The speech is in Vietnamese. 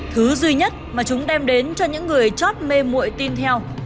thứ duy nhất mà chúng đem đến cho những người chót mê mụi tin theo